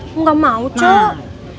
gue gak mau cok